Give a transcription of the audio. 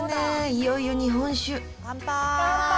いよいよ日本酒乾杯！